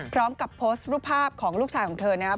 พร้อมกับโพสต์รูปภาพของลูกชายของเธอนะครับ